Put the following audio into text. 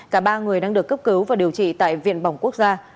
cả ba người đang được cấp cứu và điều trị tại viện bỏng quốc gia